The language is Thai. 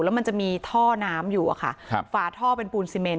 แล้วมันจะมีท่อน้ำอยู่ค่ะฝาท่อเป็นปูนซิเมนต์